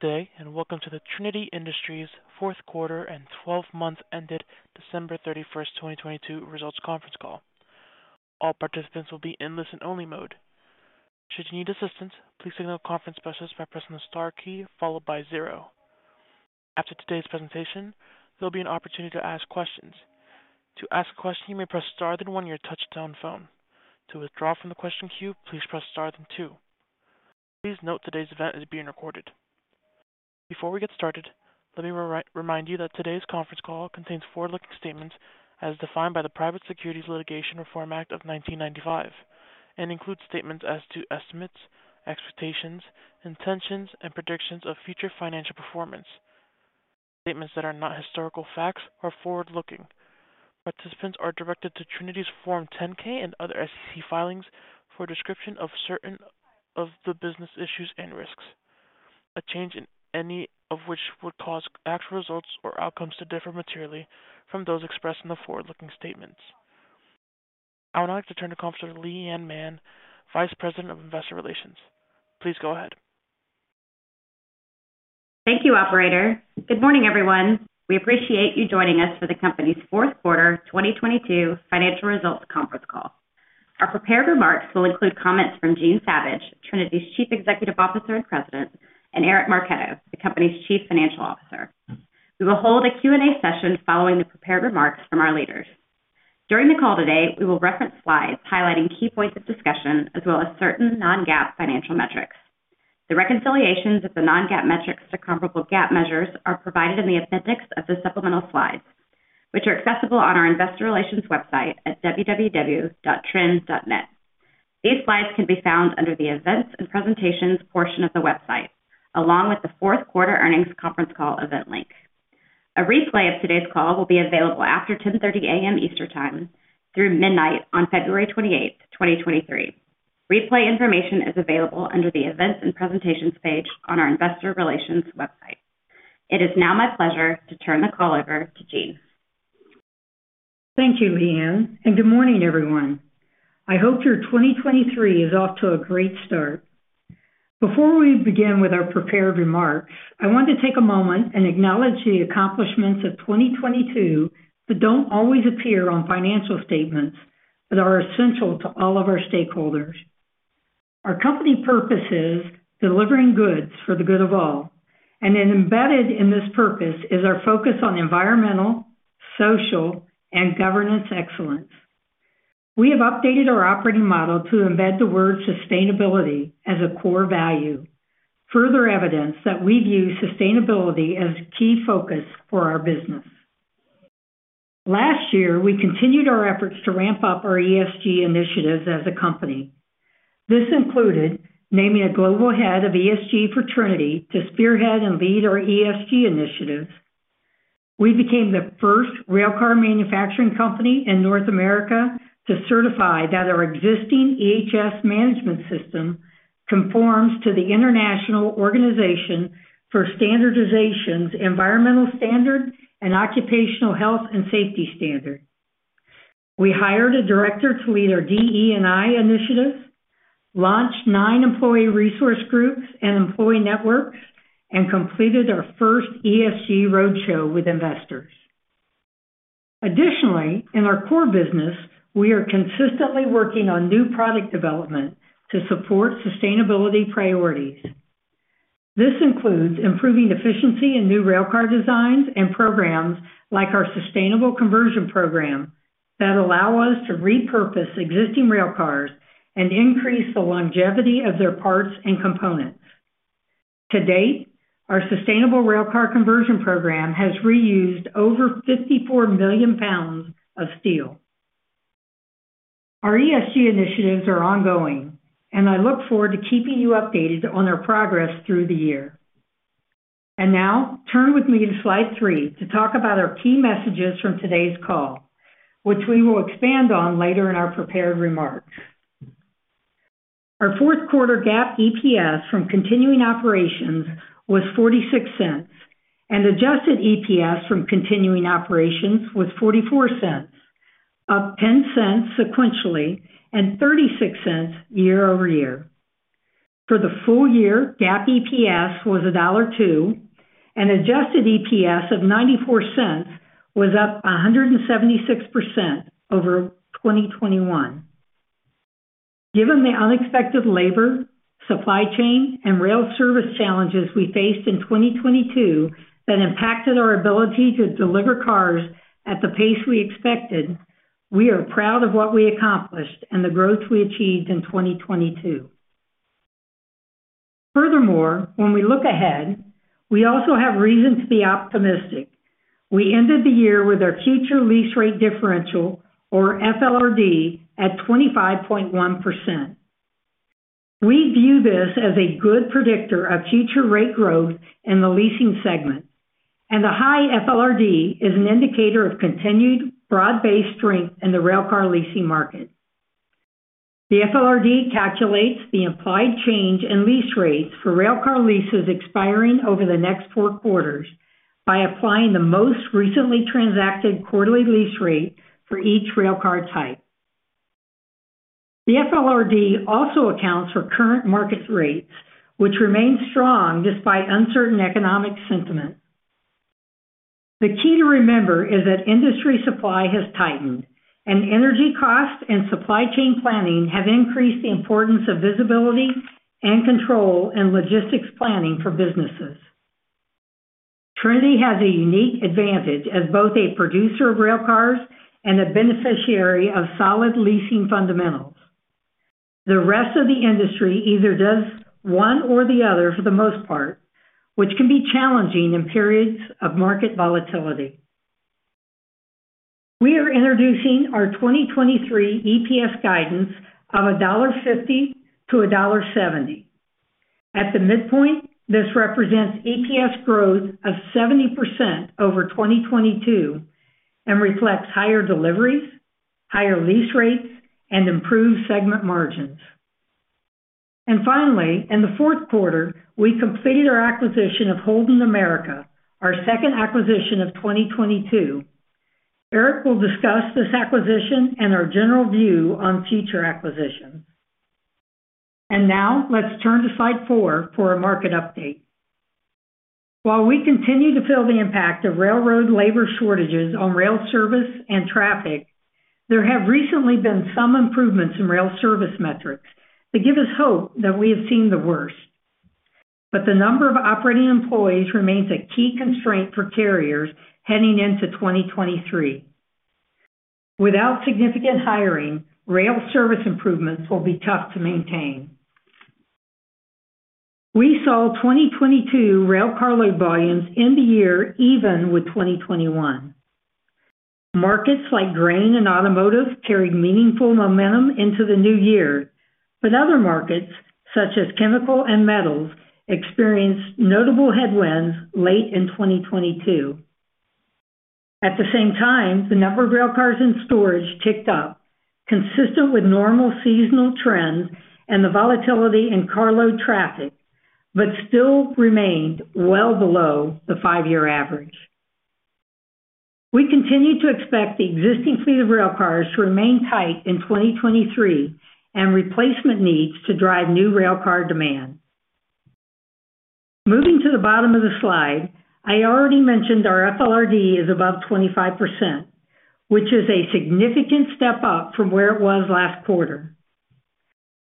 Good day, and welcome to the Trinity Industries fourth quarter and 12-month ended December 31st, 2022 results conference call. All participants will be in listen-only mode. Should you need assistance, please signal a conference specialist by pressing the Star key followed by 0. After today's presentation, there'll be an opportunity to ask questions. To ask a question, you may press Star then 1 your touchtone phone. To withdraw from the question queue, please press Star then 2. Please note today's event is being recorded. Before we get started, let me remind you that today's conference call contains forward-looking statements as defined by the Private Securities Litigation Reform Act of 1995 and includes statements as to estimates, expectations, intentions, and predictions of future financial performance. Statements that are not historical facts are forward-looking. Participants are directed to Trinity's Form 10-K and other SEC filings for a description of certain of the business issues and risks, a change in any of which would cause actual results or outcomes to differ materially from those expressed in the forward-looking statements. I would now Leigh Anne Mann, vice president of investor relations. Please go ahead. Thank you, operator. Good morning, everyone. We appreciate you joining us for the company's fourth quarter 2022 financial results conference call. Our prepared remarks will include comments from Jean Savage, Trinity's Chief Executive Officer and President, and Eric Marchetto, the company's Chief Financial Officer. We will hold a Q&A session following the prepared remarks from our leaders. During the call today, we will reference slides highlighting key points of discussion as well as certain non-GAAP financial metrics. The reconciliations of the non-GAAP metrics to comparable GAAP measures are provided in the appendix of the supplemental slides, which are accessible on our investor relations website at www.trin.net. These slides can be found under the Events and Presentations portion of the website, along with the fourth quarter earnings conference call event link. A replay of today's call will be available after 10:30 A.M. Eastern Time through midnight on February 28, 2023. Replay information is available under the Events and Presentations page on our investor relations website. It is now my pleasure to turn the call over to Jean. Thank you, Leigh Ann, and good morning, everyone. I hope your 2023 is off to a great start. Before we begin with our prepared remarks, I want to take a moment and acknowledge the accomplishments of 2022 that don't always appear on financial statements but are essential to all of our stakeholders. Our company purpose is delivering goods for the good of all, and then embedded in this purpose is our focus on environmental, social, and governance excellence. We have updated our operating model to embed the word sustainability as a core value, further evidence that we view sustainability as a key focus for our business. Last year, we continued our efforts to ramp up our ESG initiatives as a company. This included naming a Global Head of ESG for Trinity to spearhead and lead our ESG initiatives. We became the first railcar manufacturing company in North America to certify that our existing EHS management system conforms to the International Organization for Standardization's Environmental Standard and Occupational Health and Safety Standard. We hired a director to lead our DE&I initiative, launched nine employee resource groups and employee networks, completed our first ESG roadshow with investors. In our core business, we are consistently working on new product development to support sustainability priorities. This includes improving efficiency in new railcar designs and programs like our Sustainable Conversion program that allow us to repurpose existing railcars and increase the longevity of their parts and components. To date, our Sustainable Railcar Conversion program has reused over 54 million pounds of steel. Our ESG initiatives are ongoing. I look forward to keeping you updated on our progress through the year. Now turn with me to slide three to talk about our key messages from today's call, which we will expand on later in our prepared remarks. Our fourth quarter GAAP EPS from continuing operations was $0.46 and adjusted EPS from continuing operations was $0.44, up $0.10 sequentially and $0.36 year-over-year. For the full year, GAAP EPS was $1.2 and adjusted EPS of $0.94 was up 176% over 2021. Given the unexpected labor, supply chain, and rail service challenges we faced in 2022 that impacted our ability to deliver cars at the pace we expected, we are proud of what we accomplished and the growth we achieved in 2022. Furthermore, when we look ahead, we also have reason to be optimistic. We ended the year with our Future Lease Rate Differential or FLRD at 25.1%. We view this as a good predictor of future rate growth in the leasing segment. The high FLRD is an indicator of continued broad-based strength in the railcar leasing market. The FLRD calculates the implied change in lease rates for railcar leases expiring over the next 4 quarters by applying the most recently transacted quarterly lease rate for each railcar type. The FLRD also accounts for current market rates, which remain strong despite uncertain economic sentiment. The key to remember is that industry supply has tightened and energy costs and supply chain planning have increased the importance of visibility and control and logistics planning for businesses. Trinity has a unique advantage as both a producer of railcars and a beneficiary of solid leasing fundamentals. The rest of the industry either does one or the other for the most part, which can be challenging in periods of market volatility. We are introducing our 2023 EPS guidance of $1.50-$1.70. At the midpoint, this represents EPS growth of 70% over 2022 and reflects higher deliveries, higher lease rates, and improved segment margins. Finally, in the 4th quarter, we completed our acquisition of Holden America, our 2nd acquisition of 2022. Eric will discuss this acquisition and our general view on future acquisitions. Now let's turn to slide 4 for a market update. While we continue to feel the impact of railroad labor shortages on rail service and traffic, there have recently been some improvements in rail service metrics that give us hope that we have seen the worst. The number of operating employees remains a key constraint for carriers heading into 2023. Without significant hiring, rail service improvements will be tough to maintain. We saw 2022 rail carload volumes end the year even with 2021. Markets like grain and automotive carried meaningful momentum into the new year, but other markets, such as chemical and metals, experienced notable headwinds late in 2022. At the same time, the number of rail cars in storage ticked up, consistent with normal seasonal trends and the volatility in carload traffic, but still remained well below the 5-year average. We continue to expect the existing fleet of rail cars to remain tight in 2023 and replacement needs to drive new rail car demand. Moving to the bottom of the slide, I already mentioned our FLRD is above 25%, which is a significant step up from where it was last quarter.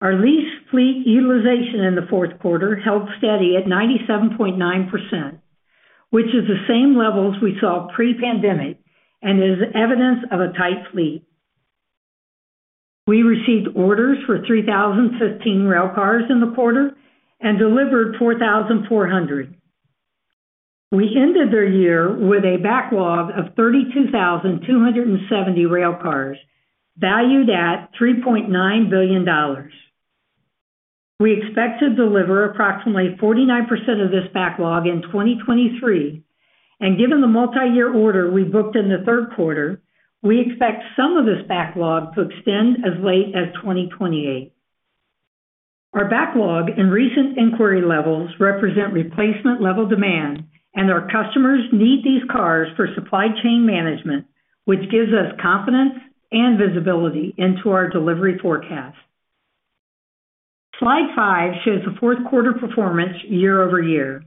Our lease fleet utilization in the fourth quarter held steady at 97.9%, which is the same levels we saw pre-pandemic and is evidence of a tight fleet. We received orders for 3,015 rail cars in the quarter and delivered 4,400. We ended the year with a backlog of 32,270 rail cars valued at $3.9 billion. We expect to deliver approximately 49% of this backlog in 2023. Given the multiyear order we booked in the third quarter, we expect some of this backlog to extend as late as 2028. Our backlog and recent inquiry levels represent replacement level demand and our customers need these cars for supply chain management, which gives us confidence and visibility into our delivery forecast. Slide 5 shows the fourth quarter performance year-over-year.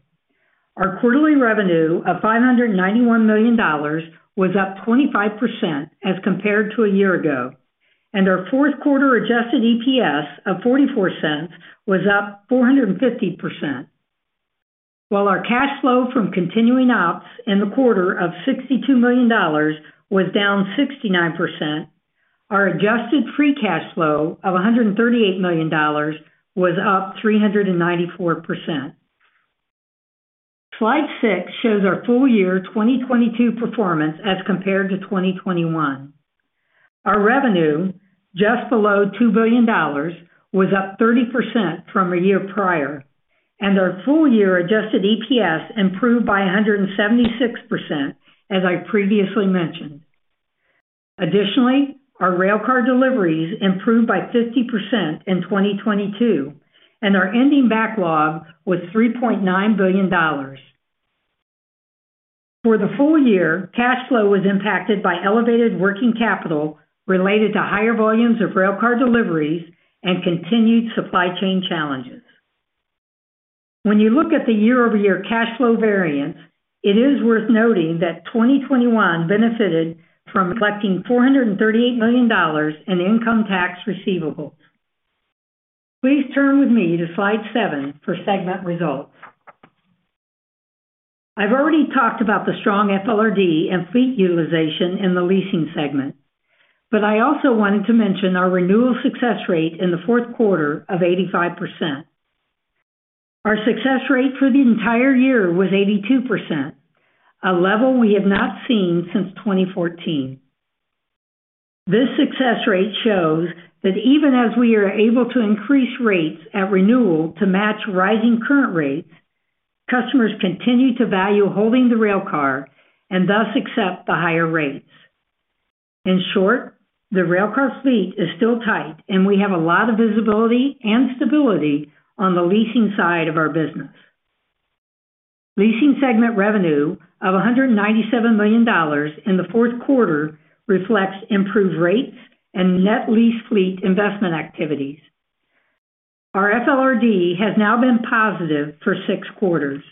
Our quarterly revenue of $591 million was up 25% as compared to a year ago, and our fourth quarter adjusted EPS of $0.44 was up 450%. While our cash flow from continuing ops in the quarter of $62 million was down 69%, our adjusted free cash flow of $138 million was up 394%. Slide 6 shows our full year 2022 performance as compared to 2021. Our revenue just below $2 billion was up 30% from a year prior, and our full year adjusted EPS improved by 176% as I previously mentioned. Additionally, our rail car deliveries improved by 50% in 2022, and our ending backlog was $3.9 billion. For the full year, cash flow was impacted by elevated working capital related to higher volumes of rail car deliveries and continued supply chain challenges. When you look at the year-over-year cash flow variance, it is worth noting that 2021 benefited from collecting $438 million in income tax receivables. Please turn with me to Slide 7 for segment results. I've already talked about the strong FLRD and fleet utilization in the leasing segment, but I also wanted to mention our renewal success rate in the fourth quarter of 85%. Our success rate for the entire year was 82%, a level we have not seen since 2014. This success rate shows that even as we are able to increase rates at renewal to match rising current rates, customers continue to value holding the rail car and thus accept the higher rates. In short, the rail car fleet is still tight, and we have a lot of visibility and stability on the leasing side of our business. Leasing segment revenue of $197 million in the fourth quarter reflects improved rates and net lease fleet investment activities. Our FLRD has now been positive for six quarters,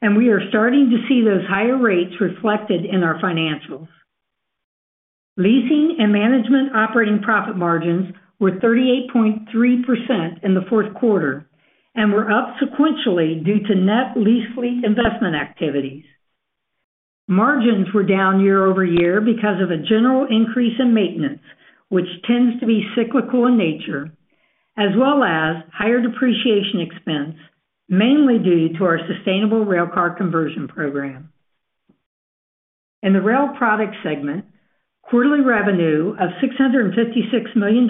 and we are starting to see those higher rates reflected in our financials. Leasing and management operating profit margins were 38.3% in the fourth quarter and were up sequentially due to net lease fleet investment activities. Margins were down year-over-year because of a general increase in maintenance, which tends to be cyclical in nature, as well as higher depreciation expense, mainly due to our Sustainable Railcar Conversion program. In the Rail Product segment, quarterly revenue of $656 million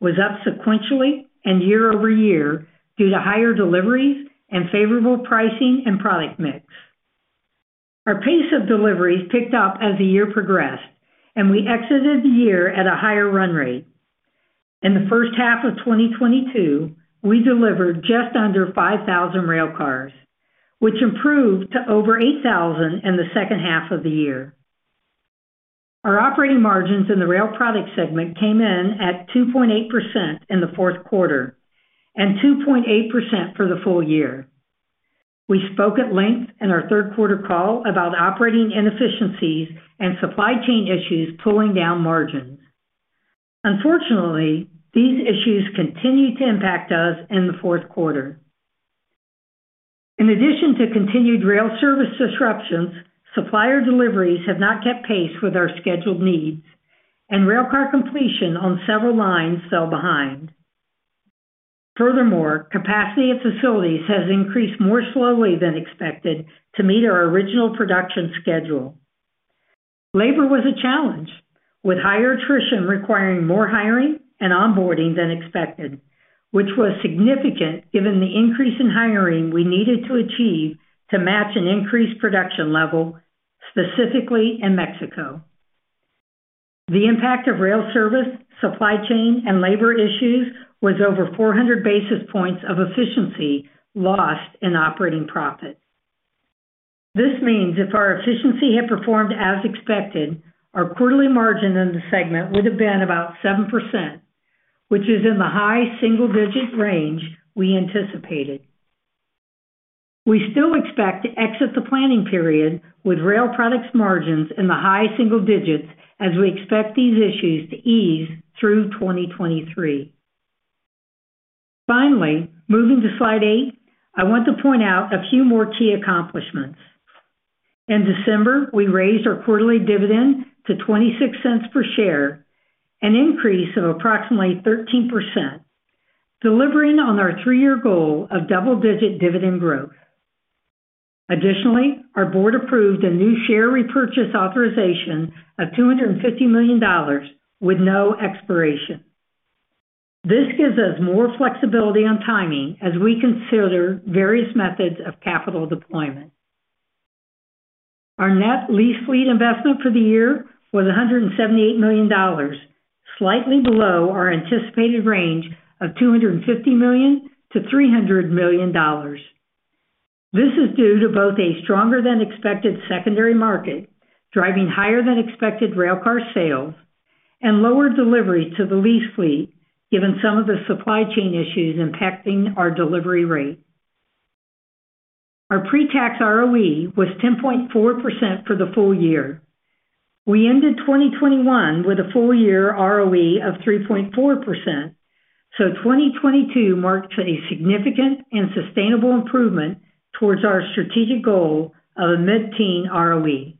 was up sequentially and year-over-year due to higher deliveries and favorable pricing and product mix. Our pace of deliveries picked up as the year progressed. We exited the year at a higher run rate. In the first half of 2022, we delivered just under 5,000 railcars, which improved to over 8,000 in the second half of the year. Our operating margins in the Rail Product segment came in at 2.8% in the fourth quarter and 2.8% for the full year. We spoke at length in our third quarter call about operating inefficiencies and supply chain issues pulling down margins. Unfortunately, these issues continued to impact us in the fourth quarter. In addition to continued rail service disruptions, supplier deliveries have not kept pace with our scheduled needs and railcar completion on several lines fell behind. Furthermore, capacity at facilities has increased more slowly than expected to meet our original production schedule. Labor was a challenge, with higher attrition requiring more hiring and onboarding than expected, which was significant given the increase in hiring we needed to achieve to match an increased production level, specifically in Mexico. The impact of rail service, supply chain, and labor issues was over 400 basis points of efficiency lost in operating profit. This means if our efficiency had performed as expected, our quarterly margin in the segment would have been about 7%, which is in the high single-digit range we anticipated. We still expect to exit the planning period with rail products margins in the high single digits as we expect these issues to ease through 2023. Moving to slide 8, I want to point out a few more key accomplishments. In December, we raised our quarterly dividend to $0.26 per share, an increase of approximately 13%, delivering on our 3-year goal of double-digit dividend growth. Additionally, our board approved a new share repurchase authorization of $250 million with no expiration. This gives us more flexibility on timing as we consider various methods of capital deployment. Our net lease fleet investment for the year was $178 million, slightly below our anticipated range of $250 million-$300 million. This is due to both a stronger than expected secondary market driving higher than expected railcar sales and lower delivery to the lease fleet given some of the supply chain issues impacting our delivery rate. Our pre-tax ROE was 10.4% for the full year. We ended 2021 with a full year ROE of 3.4%. 2022 marked a significant and sustainable improvement towards our strategic goal of a mid-teen ROE.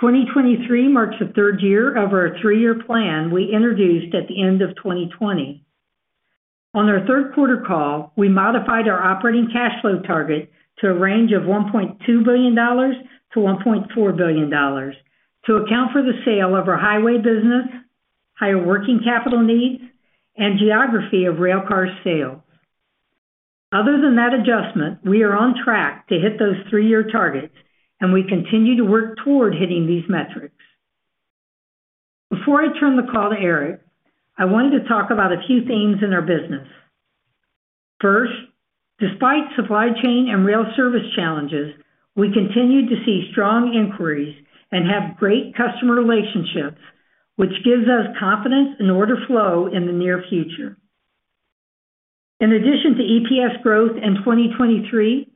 2023 marks the third year of our three-year plan we introduced at the end of 2020. On our third quarter call, we modified our operating cash flow target to a range of $1.2 billion-$1.4 billion to account for the sale of our highway business, higher working capital needs, and geography of railcar sales. Other than that adjustment, we are on track to hit those 3-year targets, and we continue to work toward hitting these metrics. Before I turn the call to Eric, I wanted to talk about a few themes in our business. First, despite supply chain and rail service challenges, we continue to see strong inquiries and have great customer relationships, which gives us confidence in order flow in the near future. In addition to EPS growth in 2023,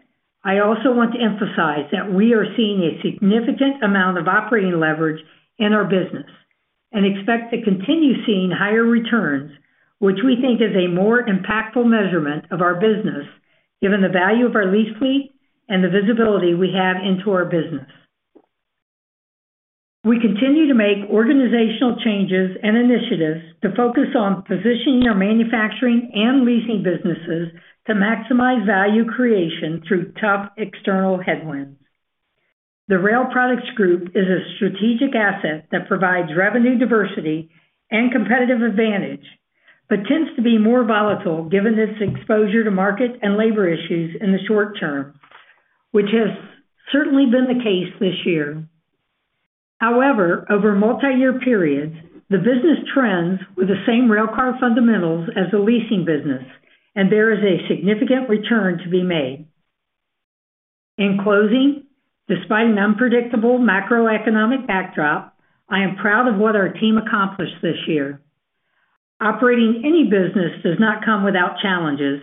I also want to emphasize that we are seeing a significant amount of operating leverage in our business and expect to continue seeing higher returns, which we think is a more impactful measurement of our business given the value of our lease fleet and the visibility we have into our business. We continue to make organizational changes and initiatives to focus on positioning our manufacturing and leasing businesses to maximize value creation through tough external headwinds. The Rail Products Group is a strategic asset that provides revenue diversity and competitive advantage, but tends to be more volatile given its exposure to market and labor issues in the short term, which has certainly been the case this year. Over multiyear periods, the business trends with the same railcar fundamentals as the leasing business, and there is a significant return to be made. In closing, despite an unpredictable macroeconomic backdrop, I am proud of what our team accomplished this year. Operating any business does not come without challenges,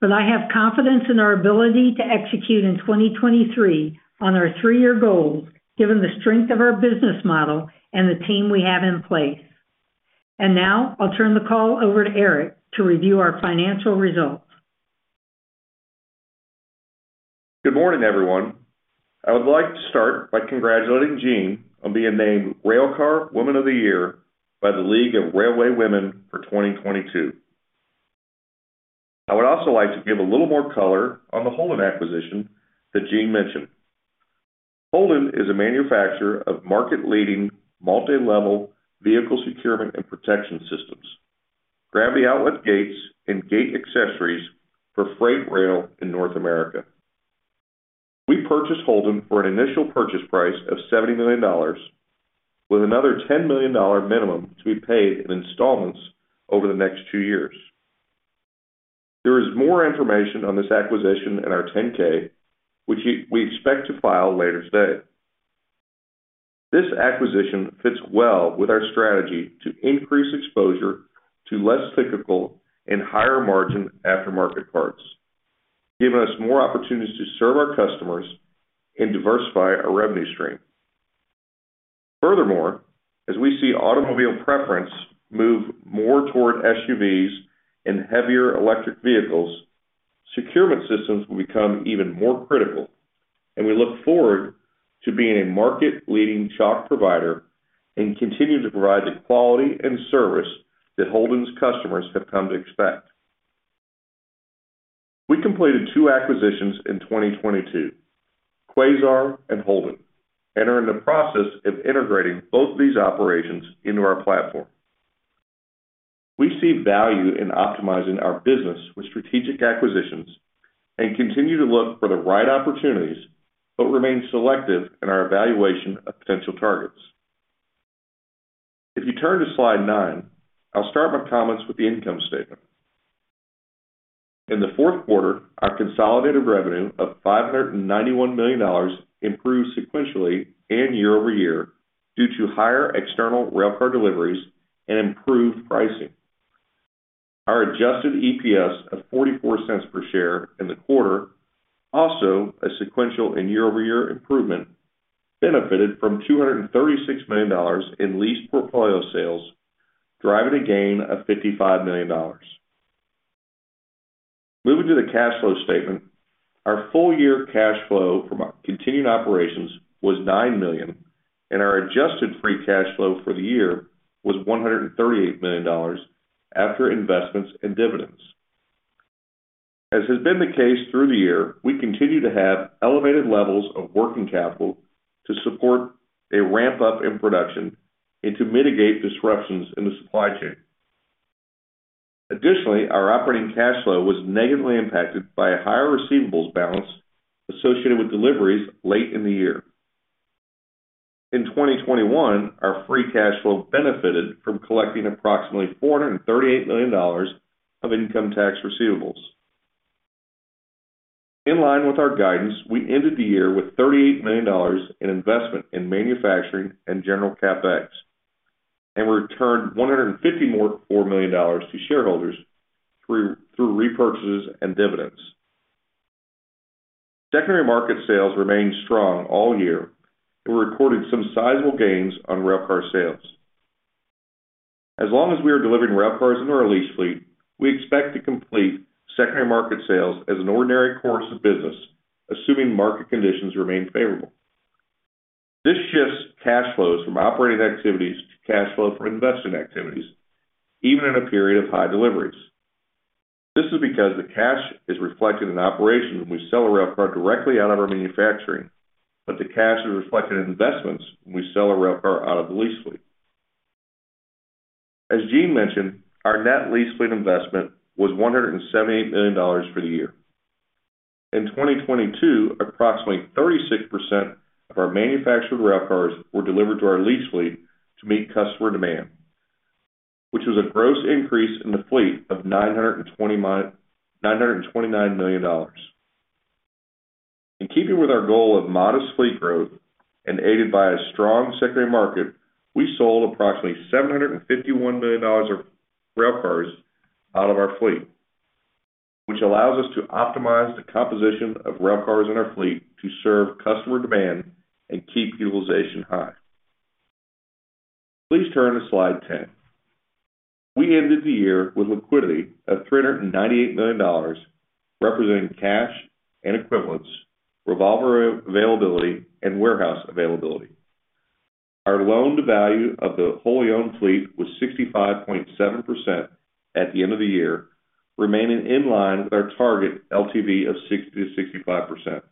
but I have confidence in our ability to execute in 2023 on our 3-year goals, given the strength of our business model and the team we have in place. Now I'll turn the call over to Eric to review our financial results. Good morning, everyone. I would like to start by congratulating Jean on being named Railway Woman of the Year by the League of Railway Women for 2022. I would also like to give a little more color on the Holden acquisition that Jean mentioned. Holden is a manufacturer of market-leading multi-level vehicle securement and protection systems, gravity outlet gates, and gate accessories for freight rail in North America. We purchased Holden for an initial purchase price of $70 million, with another $10 million minimum to be paid in installments over the next two years. There is more information on this acquisition in our 10-K, which we expect to file later today. This acquisition fits well with our strategy to increase exposure to less cyclical and higher margin aftermarket parts, giving us more opportunities to serve our customers and diversify our revenue stream. Furthermore, as we see automobile preference move more toward SUVs and heavier electric vehicles, securement systems will become even more critical, and we look forward to being a market-leading chock provider and continue to provide the quality and service that Holden's customers have come to expect. We completed two acquisitions in 2022, Quasar and Holden, and are in the process of integrating both of these operations into our platform. We see value in optimizing our business with strategic acquisitions and continue to look for the right opportunities but remain selective in our evaluation of potential targets. If you turn to slide 9, I'll start my comments with the income statement. In the fourth quarter, our consolidated revenue of $591 million improved sequentially and year-over-year due to higher external railcar deliveries and improved pricing. Our adjusted EPS of $0.44 per share in the quarter, also a sequential and year-over-year improvement, benefited from $236 million in lease portfolio sales, driving a gain of $55 million. Moving to the cash flow statement, our full year cash flow from continuing operations was $9 million, our adjusted free cash flow for the year was $138 million after investments and dividends. As has been the case through the year, we continue to have elevated levels of working capital to support a ramp up in production and to mitigate disruptions in the supply chain. Additionally, our operating cash flow was negatively impacted by a higher receivables balance associated with deliveries late in the year. In 2021, our free cash flow benefited from collecting approximately $438 million of income tax receivables. In line with our guidance, we ended the year with $38 million in investment in manufacturing and general CapEx, and returned $150 million to shareholders through repurchases and dividends. Secondary market sales remained strong all year and we recorded some sizable gains on railcar sales. As long as we are delivering railcars in our lease fleet, we expect to complete secondary market sales as an ordinary course of business, assuming market conditions remain favorable. This shifts cash flows from operating activities to cash flow from investing activities, even in a period of high deliveries. This is because the cash is reflected in operations when we sell a railcar directly out of our manufacturing, but the cash is reflected in investments when we sell a railcar out of the lease fleet. As Jean mentioned, our net lease fleet investment was $178 million for the year. In 2022, approximately 36% of our manufactured railcars were delivered to our lease fleet to meet customer demand, which was a gross increase in the fleet of $929 million. In keeping with our goal of modest fleet growth and aided by a strong secondary market, we sold approximately $751 million of railcars out of our fleet, which allows us to optimize the composition of railcars in our fleet to serve customer demand and keep utilization high. Please turn to slide 10. We ended the year with liquidity of $398 million, representing cash and equivalents, revolver availability, and warehouse availability. Our loan-to-value of the wholly owned fleet was 65.7% at the end of the year, remaining in line with our target LTV of 60%-65%.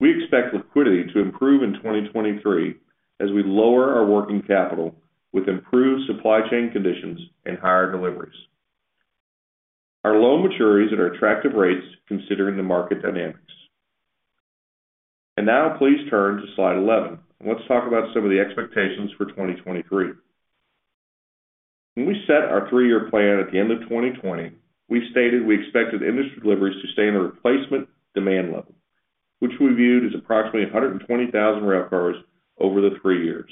We expect liquidity to improve in 2023 as we lower our working capital with improved supply chain conditions and higher deliveries. Our loan maturities at our attractive rates considering the market dynamics. Now please turn to slide 11, and let's talk about some of the expectations for 2023. When we set our 3-year plan at the end of 2020, we stated we expected industry deliveries to stay in the replacement demand level, which we viewed as approximately 120,000 railcars over the 3 years.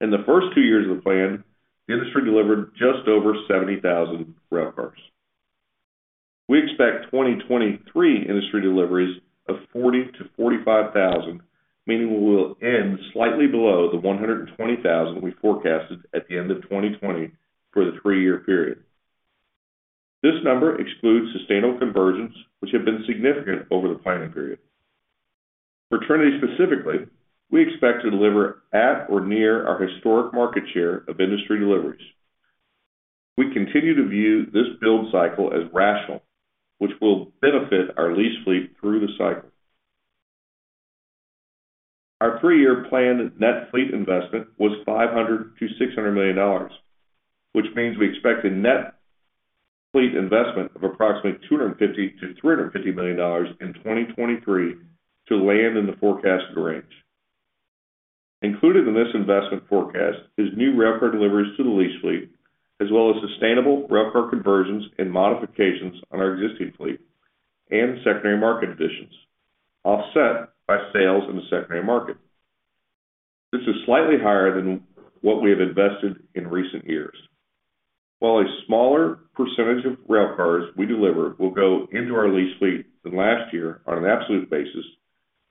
In the first 2 years of the plan, the industry delivered just over 70,000 railcars. We expect 2023 industry deliveries of 40,000-45,000, meaning we will end slightly below the 120,000 we forecasted at the end of 2020 for the 3-year period. This number excludes sustainable conversions, which have been significant over the planning period. For Trinity specifically, we expect to deliver at or near our historic market share of industry deliveries. We continue to view this build cycle as rational, which will benefit our lease fleet through the cycle. Our 3-year plan net fleet investment was $500 million-$600 million, which means we expect a net fleet investment of approximately $250 million-$350 million in 2023 to land in the forecasted range. Included in this investment forecast is new railcar deliveries to the lease fleet, as well as sustainable railcar conversions and modifications on our existing fleet and secondary market additions, offset by sales in the secondary market. This is slightly higher than what we have invested in recent years. While a smaller percentage of railcars we deliver will go into our lease fleet than last year on an absolute basis,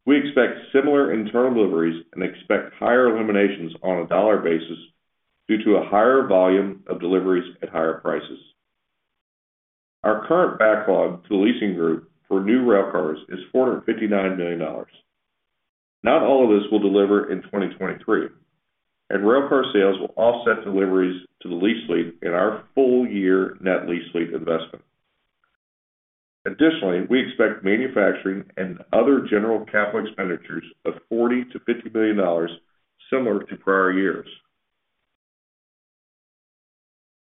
we expect similar internal deliveries and expect higher eliminations on a dollar basis due to a higher volume of deliveries at higher prices. Our current backlog to the leasing group for new railcars is $459 million. Not all of this will deliver in 2023, Railcar sales will offset deliveries to the lease fleet in our full year net lease fleet investment. Additionally, we expect manufacturing and other general capital expenditures of $40 million-$50 million similar to prior years.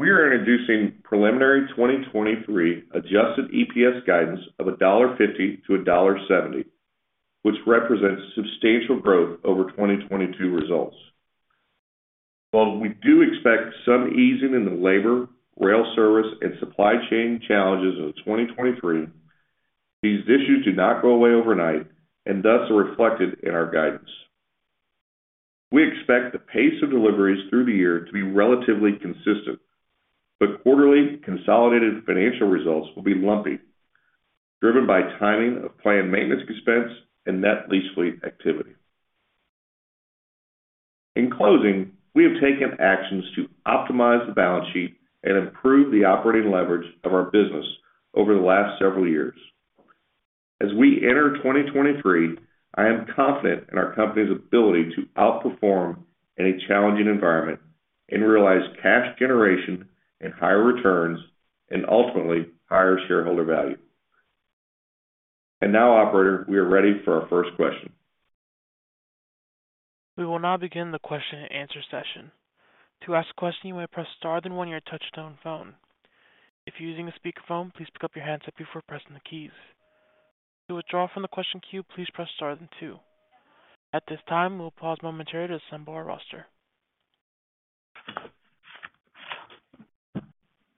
We are introducing preliminary 2023 adjusted EPS guidance of $1.50-$1.70, which represents substantial growth over 2022 results. While we do expect some easing in the labor, rail service, and supply chain challenges of 2023, these issues do not go away overnight and thus are reflected in our guidance. We expect the pace of deliveries through the year to be relatively consistent, but quarterly consolidated financial results will be lumpy, driven by timing of planned maintenance expense and net lease fleet activity. In closing, we have taken actions to optimize the balance sheet and improve the operating leverage of our business over the last several years. As we enter 2023, I am confident in our company's ability to outperform in a challenging environment and realize cash generation and higher returns and ultimately higher shareholder value. Now, operator, we are ready for our first question. We will now begin the question and answer session. To ask a question, you may press star then one your touchtone phone. If you're using a speakerphone, please pick up your handset before pressing the keys. To withdraw from the question queue, please press star then two. At this time, we'll pause momentarily to assemble our roster.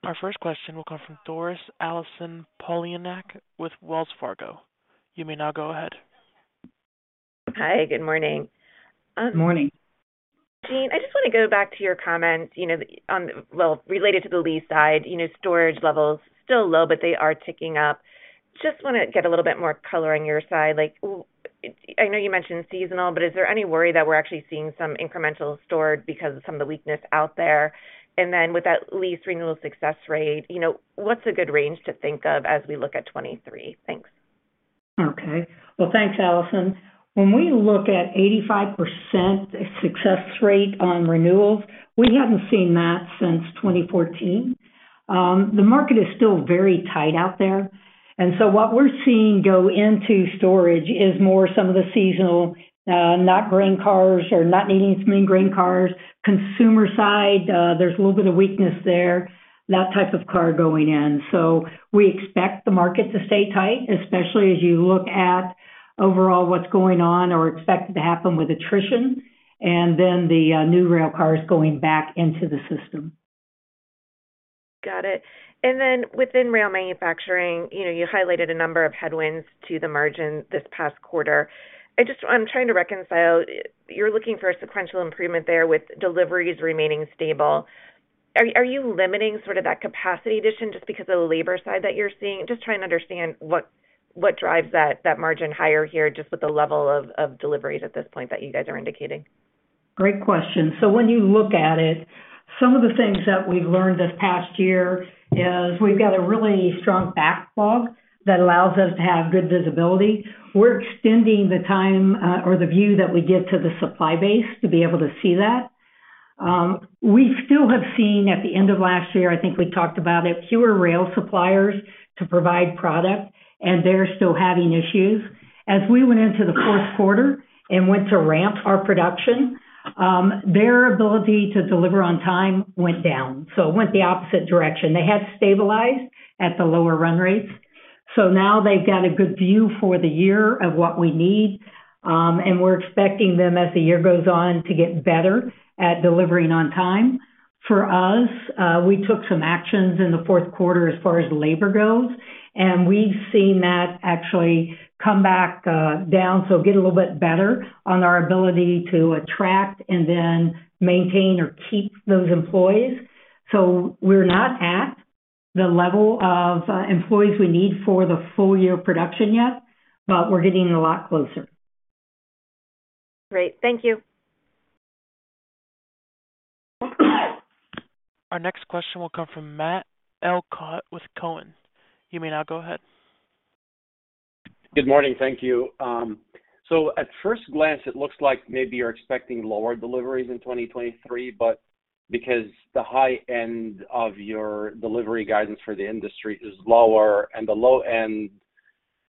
Our first question will come Allison Poliniak-Cusic with Wells Fargo. You may now go ahead. Hi. Good morning. Morning. Jean, I just wanna go back to your comment, you know, on the Well, related to the lease side, you know, storage levels still low, but they are ticking up. Just wanna get a little bit more color on your side, like, I know you mentioned seasonal, but is there any worry that we're actually seeing some incremental stored because of some of the weakness out there? Then with that lease renewal success rate, you know, what's a good range to think of as we look at 2023? Thanks. Okay. Well, thanks, Allison. When we look at 85% success rate on renewals, we haven't seen that since 2014. The market is still very tight out there. What we're seeing go into storage is more some of the seasonal, not grain cars or not needing to main grain cars. Consumer side, there's a little bit of weakness there, that type of car going in. We expect the market to stay tight, especially as you look at overall what's going on or expected to happen with attrition, the new rail cars going back into the system. Got it. Within rail manufacturing, you know, you highlighted a number of headwinds to the margin this past quarter. I'm trying to reconcile. You're looking for a sequential improvement there with deliveries remaining stable. Are you limiting sort of that capacity addition just because of the labor side that you're seeing? Just trying to understand what drives that margin higher here, just with the level of deliveries at this point that you guys are indicating. Great question. When you look at it, some of the things that we've learned this past year is we've got a really strong backlog that allows us to have good visibility. We're extending the time or the view that we give to the supply base to be able to see that. We still have seen at the end of last year, I think we talked about it, fewer rail suppliers to provide product, and they're still having issues. As we went into the fourth quarter and went to ramp our production, their ability to deliver on time went down. It went the opposite direction. They had to stabilize at the lower run rates. Now they've got a good view for the year of what we need, and we're expecting them as the year goes on to get better at delivering on time. For us, we took some actions in the fourth quarter as far as labor goes, and we've seen that actually come back down, so get a little bit better on our ability to attract and then maintain or keep those employees. We're not at the level of employees we need for the full year production yet, but we're getting a lot closer. Great. Thank you. Our next question will come from Matt Elkott with Cowen. You may now go ahead. Good morning. Thank you. At first glance, it looks like maybe you're expecting lower deliveries in 2023. Because the high end of your delivery guidance for the industry is lower and the low end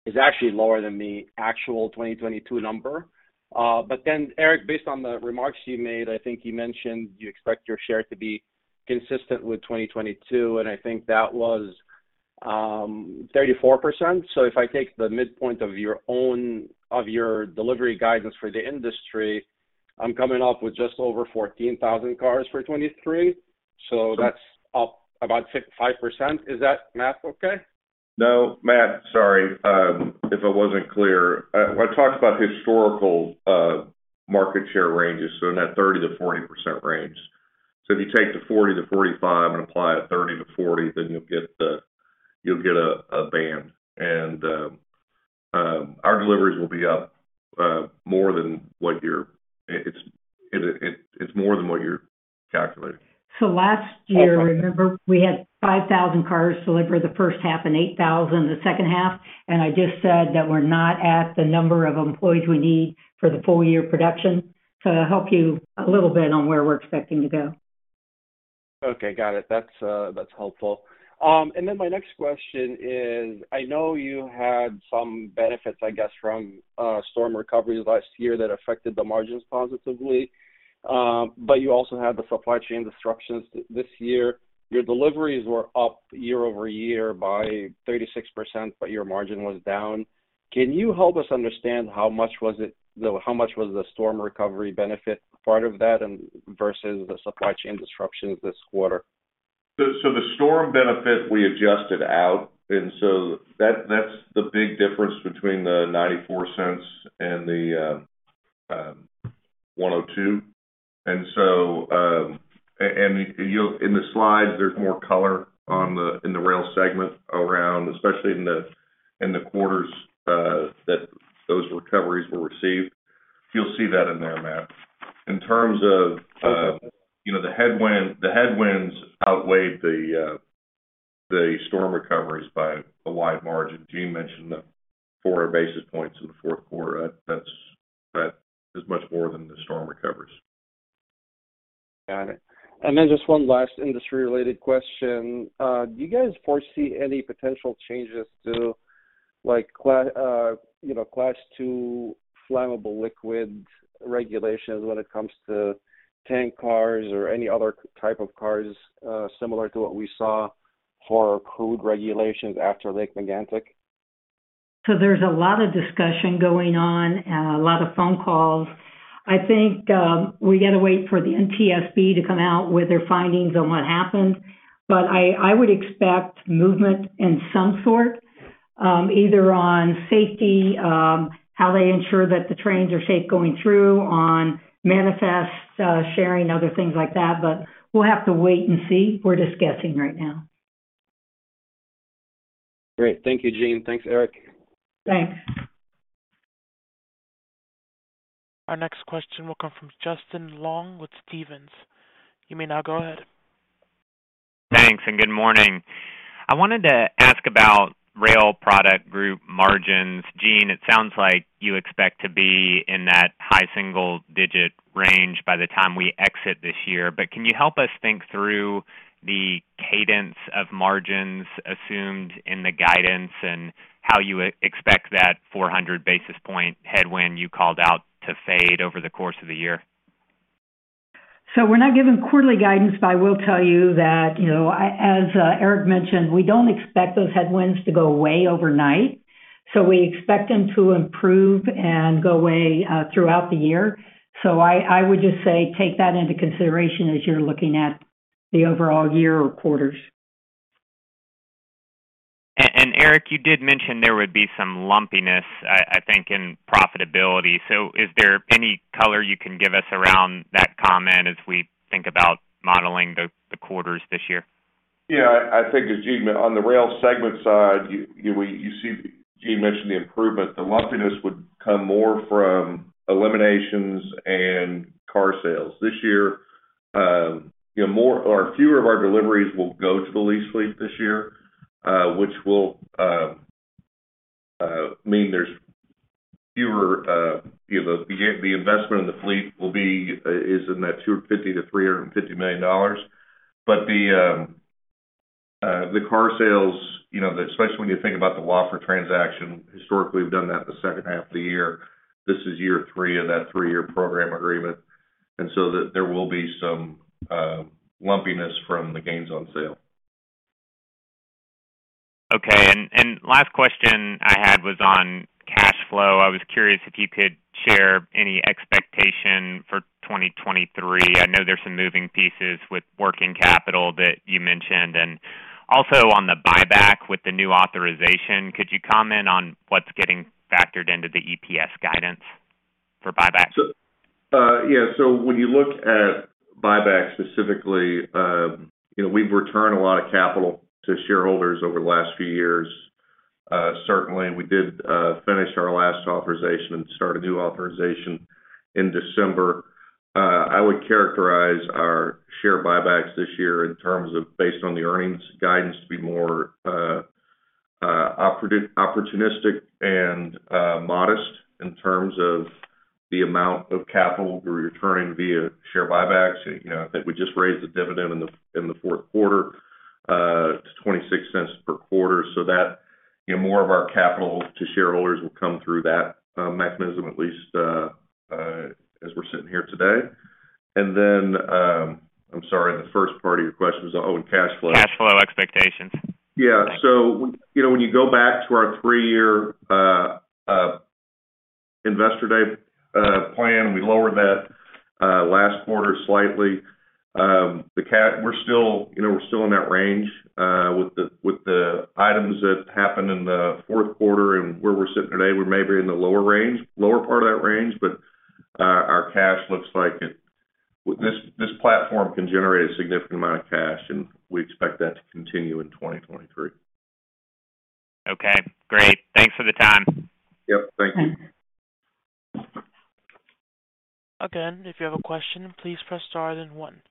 is actually lower than the actual 2022 number. Eric, based on the remarks you made, I think you mentioned you expect your share to be consistent with 2022, and I think that was, 34%. If I take the midpoint of your delivery guidance for the industry, I'm coming up with just over 14,000 cars for 2023, so that's up about 5%. Is that math okay? Matt, sorry, if I wasn't clear. I talked about historical market share ranges, so in that 30%-40% range. If you take the 40%-45% and apply a 30%-40%, then you'll get a band. Our deliveries will be up, more than what you're, it's more than what you're calculating. Last year, remember, we had 5,000 cars delivered the first half and 8,000 the second half, and I just said that we're not at the number of employees we need for the full year production to help you a little bit on where we're expecting to go. Okay, got it. That's, that's helpful. My next question is, I know you had some benefits, I guess, from storm recoveries last year that affected the margins positively, but you also had the supply chain disruptions this year. Your deliveries were up year-over-year by 36%, but your margin was down. Can you help us understand how much was the storm recovery benefit part of that and versus the supply chain disruptions this quarter? The storm benefit we adjusted out, and that's the big difference between the $0.94 and the $1.02. And you'll in the slides, there's more color on the, in the rail segment around, especially in the, in the quarters, that those recoveries were received. You'll see that in there, Matt. In terms of, you know, the headwinds outweighed the storm recoveries by a wide margin. Jean mentioned the 4 basis points in the fourth quarter. That is much more than the storm recoveries. Got it. Just one last industry-related question. Do you guys foresee any potential changes to like you know Class II flammable liquid regulations when it comes to tank cars or any other type of cars similar to what we saw for crude regulations after Lac-Mégantic? There's a lot of discussion going on, a lot of phone calls. I think, we got to wait for the NTSB to come out with their findings on what happened. I would expect movement in some sort, either on safety, how they ensure that the trains are safe going through on manifests, sharing other things like that. We'll have to wait and see. We're just guessing right now. Great. Thank you, Jean. Thanks, Eric. Thanks. Our next question will come from Justin Long with Stephens. You may now go ahead. Thanks. Good morning. I wanted to ask about Rail Products Group margins. Jean, it sounds like you expect to be in that high single-digit range by the time we exit this year. Can you help us think through the cadence of margins assumed in the guidance and how you expect that 400 basis point headwind you called out to fade over the course of the year? We're not giving quarterly guidance, but I will tell you that, you know, as Eric mentioned, we don't expect those headwinds to go away overnight. We expect them to improve and go away throughout the year. I would just say take that into consideration as you're looking at the overall year or quarters. Eric, you did mention there would be some lumpiness, I think, in profitability. Is there any color you can give us around that comment as we think about modeling the quarters this year? Yeah. I think as Jean on the rail segment side, you see Jean mentioned the improvement. The lumpiness would come more from eliminations and car sales. This year, you know, more or fewer of our deliveries will go to the lease fleet this year, which will mean there's fewer, you know, the investment in the fleet will be, is in that $250 million-$350 million. But the car sales, you know, especially when you think about the Wafra transaction, historically, we've done that the second half of the year. This is year 3 of that 3-year program agreement. There, there will be some lumpiness from the gains on sale. Okay. Last question I had was on cash flow. I was curious if you could share any expectation for 2023. I know there's some moving pieces with working capital that you mentioned. Also on the buyback with the new authorization, could you comment on what's getting factored into the EPS guidance for buyback? Yeah. When you look at buyback specifically, you know, we've returned a lot of capital to shareholders over the last few years. Certainly, we did finish our last authorization and start a new authorization in December. I would characterize our share buybacks this year in terms of based on the earnings guidance to be more opportunistic and modest in terms of the amount of capital we're returning via share buybacks. You know, I think we just raised the dividend in the fourth quarter, to $0.26 per quarter, so that, you know, more of our capital to shareholders will come through that mechanism at least as we're sitting here today. I'm sorry, the first part of your question was? Oh, cash flow. Cash flow expectations. You know, when you go back to our three-year Investor Day plan, we lowered that last quarter slightly. We're still, you know, we're still in that range with the items that happened in the fourth quarter and where we're sitting today, we're maybe in the lower range, lower part of that range. Our cash looks like this platform can generate a significant amount of cash, and we expect that to continue in 2023. Okay, great. Thanks for the time. Yep. Thank you. Again, if you have a question, please press star then one.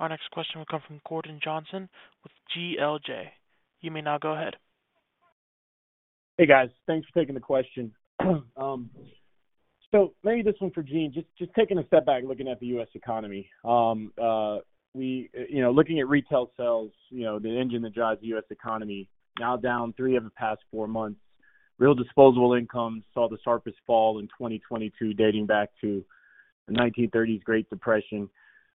Our next question will come from Gordon Johnson with GLJ. You may now go ahead. Hey, guys. Thanks for taking the question. Maybe this one for Jean, just taking a step back looking at the U.S. economy. you know, looking at retail sales, you know, the engine that drives the U.S. economy now down 3 of the past 4 months. Real disposable income saw the sharpest fall in 2022, dating back to the 1930s Great Depression.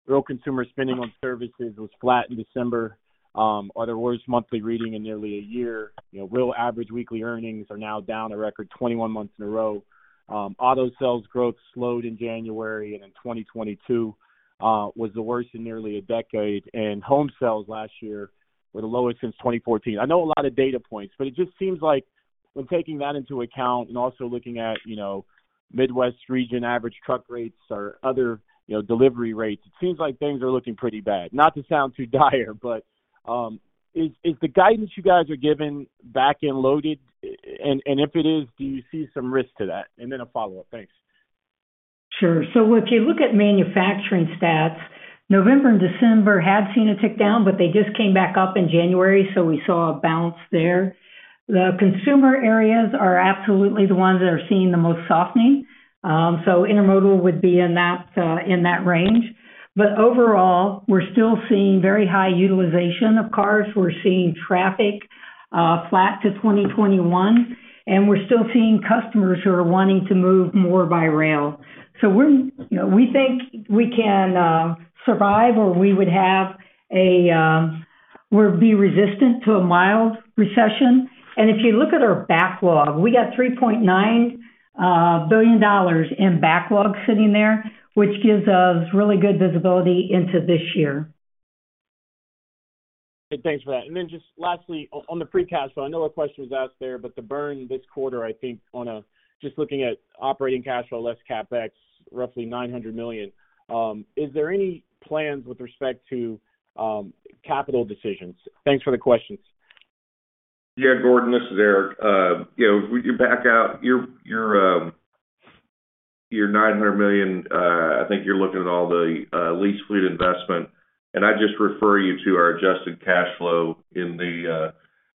Real consumer spending on services was flat in December, or the worst monthly reading in nearly a year. You know, real average weekly earnings are now down a record 21 months in a row. Auto sales growth slowed in January, in 2022, was the worst in nearly a decade. Home sales last year were the lowest since 2014. I know a lot of data points, but it just seems like when taking that into account and also looking at, you know, Midwest region average truck rates or other, you know, delivery rates, it seems like things are looking pretty bad. Not to sound too dire, but is the guidance you guys are giving back-end loaded? If it is, do you see some risk to that? Then a follow-up. Thanks. Sure. If you look at manufacturing stats, November and December have seen a tick down, but they just came back up in January. We saw a bounce there. The consumer areas are absolutely the ones that are seeing the most softening. intermodal would be in that range. Overall, we're still seeing very high utilization of cars. We're seeing traffic flat to 2021, and we're still seeing customers who are wanting to move more by rail. We're, you know, we think we can survive, or we would have a, we'd be resistant to a mild recession. If you look at our backlog, we got $3.9 billion in backlog sitting there, which gives us really good visibility into this year. Thanks for that. Just lastly, on the free cash flow, I know a question was asked there, but the burn this quarter, I think just looking at operating cash flow less CapEx, roughly $900 million, is there any plans with respect to capital decisions? Thanks for the questions. Yeah, Gordon, this is Eric. You know, when you back out your, your $900 million, I think you're looking at all the lease fleet investment, and I just refer you to our adjusted cash flow in the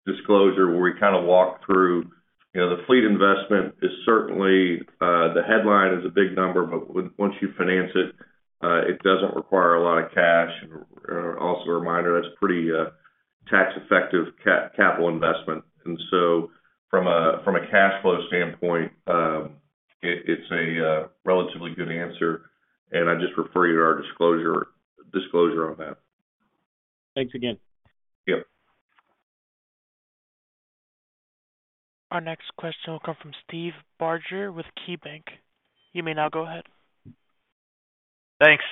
disclosure, where we kinda walk through. You know, the fleet investment is certainly, the headline is a big number, but once you finance it doesn't require a lot of cash. Also a reminder, that's pretty, tax effective capital investment. From a, from a cash flow standpoint, it's a, relatively good answer, and I just refer you to our disclosure on that. Thanks again. Yep. Our next question will come from Steve Barger with KeyBank. You may now go ahead. Thanks.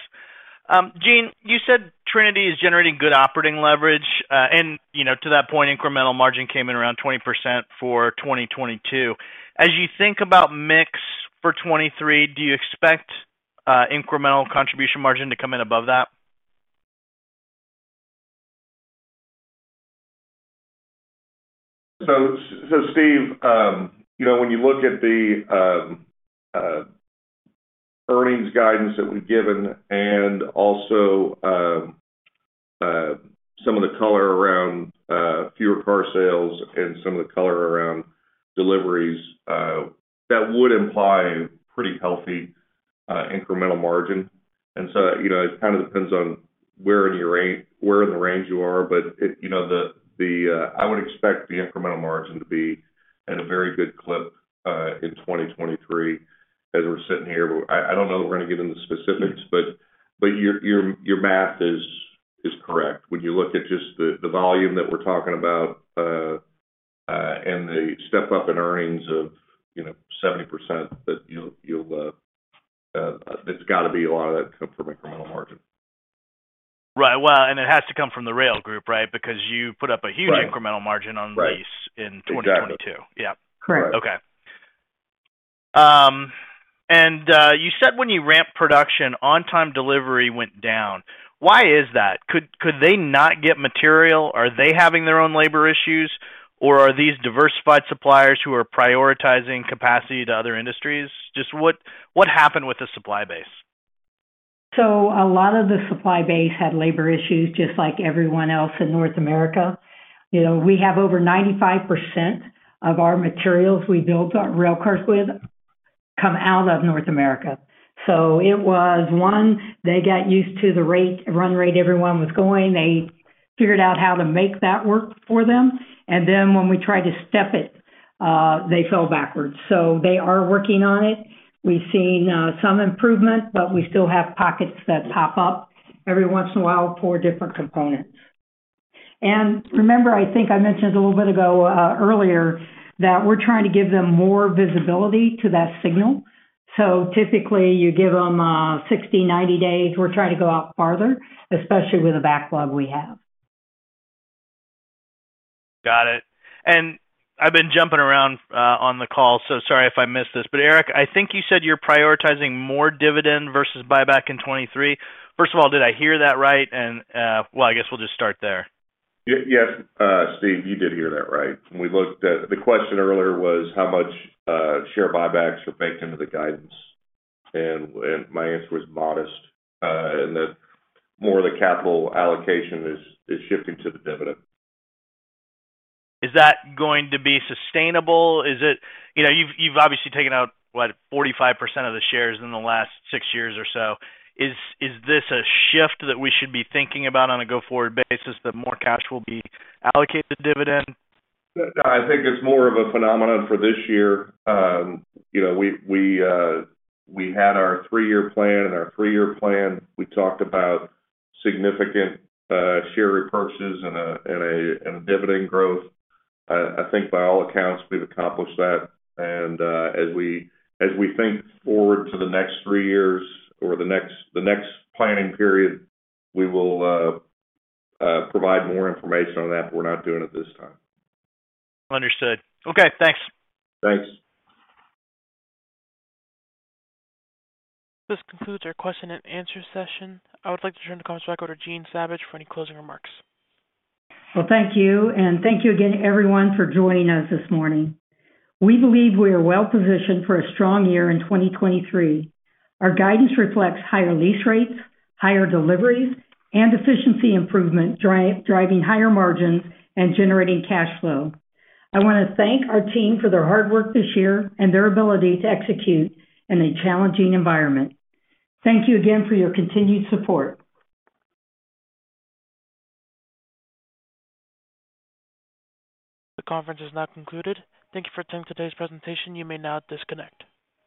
Jean, you said Trinity is generating good operating leverage. To that point, incremental margin came in around 20% for 2022. As you think about mix for 2023, do you expect incremental contribution margin to come in above that? Steve, you know, when you look at the earnings guidance that we've given and also, some of the color around fewer car sales and some of the color around deliveries, that would imply pretty healthy incremental margin. You know, it kind of depends on where in your where in the range you are. It, you know, the, I would expect the incremental margin to be at a very good clip in 2023 as we're sitting here. I don't know that we're gonna get into specifics, but your math is correct. When you look at just the volume that we're talking about, and the step up in earnings of, you know, 70% that you'll, there's gotta be a lot of that come from incremental margin. Right. Well, it has to come from the Rail Group, right? Because you put up a huge- Right. incremental margin on lease Right. in 2022. Exactly. Yeah. Correct. Okay. You said when you ramp production, on-time delivery went down. Why is that? Could they not get material? Are they having their own labor issues? Are these diversified suppliers who are prioritizing capacity to other industries? What happened with the supply base? A lot of the supply base had labor issues, just like everyone else in North America. You know, we have over 95% of our materials we build our rail cars with come out of North America. It was, one, they got used to the rate, run rate everyone was going. They figured out how to make that work for them. Then when we tried to step it, they fell backwards. They are working on it. We've seen some improvement, but we still have pockets that pop up every once in a while for different components. Remember, I think I mentioned a little bit ago earlier, that we're trying to give them more visibility to that signal. Typically, you give them 60, 90 days. We're trying to go out farther, especially with the backlog we have. Got it. I've been jumping around, on the call, so sorry if I missed this. Eric, I think you said you're prioritizing more dividend versus buyback in 2023. First of all, did I hear that right? Well, I guess we'll just start there. Yes, Steve, you did hear that right. We looked at the question earlier was how much share buybacks were baked into the guidance, and my answer was modest, and that more of the capital allocation is shifting to the dividend. Is that going to be sustainable? Is it, you know, you've obviously taken out, what, 45% of the shares in the last 6 years or so. Is this a shift that we should be thinking about on a go-forward basis, that more cash will be allocated to dividend? I think it's more of a phenomenon for this year. You know, we had our 3-year plan, and our 3-year plan, we talked about significant share repurchases and a dividend growth. I think by all accounts, we've accomplished that. As we think forward to the next 3 years or the next planning period, we will provide more information on that. We're not doing it this time. Understood. Okay, thanks. Thanks. This concludes our question and answer session. I would like to turn the conference back over to Jean Savage for any closing remarks. Well, thank you. Thank you again, everyone, for joining us this morning. We believe we are well positioned for a strong year in 2023. Our guidance reflects higher lease rates, higher deliveries, and efficiency improvement driving higher margins and generating cash flow. I wanna thank our team for their hard work this year and their ability to execute in a challenging environment. Thank you again for your continued support. The conference is now concluded. Thank you for attending today's presentation. You may now disconnect.